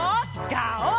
ガオー！